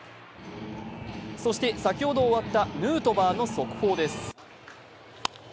そして先ほど終わったヌートバーの速報です。